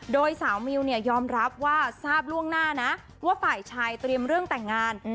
โดยสาวมิวเนี่ยยอมรับว่าทราบล่วงหน้านะว่าฝ่ายชายเตรียมเรื่องแต่งงาน